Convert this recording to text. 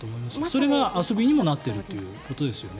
それが遊びにもなっているということですよね。